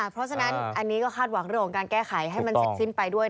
เพราะฉะนั้นอันนี้ก็คาดหวังเรื่องของการแก้ไขให้มันเสร็จสิ้นไปด้วย